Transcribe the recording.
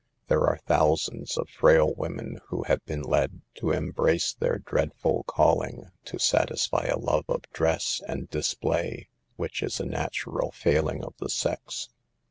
There are thousands of frail women who have been led to embrace their dreadful call ing to satisfy a love of dress and display which is a natural failing of the sex.